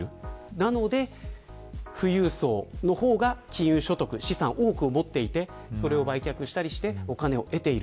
なので富裕層の方が金融所得資産を多く持っていてそれを売却したりしてお金を得ている。